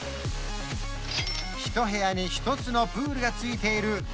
一部屋に１つのプールが付いているＶＩＰ